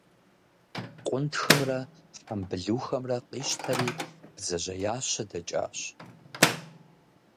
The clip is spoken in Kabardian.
Къунтхымрэ хьэмбылухэмрэ къищтэри, бдзэжьеящэ дэкӏащ.